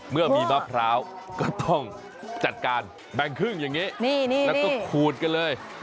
เมื่อมีมะพร้าวก็ต้องจัดการแบ่งครึ่งอย่างนี้แล้วก็ขูดกันเลย